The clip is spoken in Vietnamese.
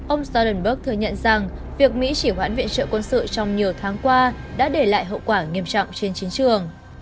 ông starenberg thừa nhận rằng việc mỹ chỉ hoãn viện trợ quân sự trong nhiều tháng qua đã để lại hậu quả nghiêm trọng trên chiến trường